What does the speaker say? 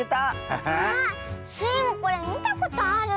あスイもこれみたことある。